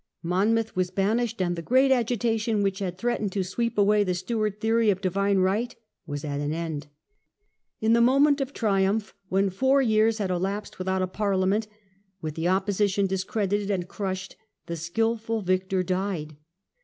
Monmouth was banished, and the great agitation which had threatened to sweep away the Stewart theory of Divine Right was at an end. In the moment of triumph, when four years had elapsed without a parliament, with the Opposition discredited and crushed, the skilful victor died.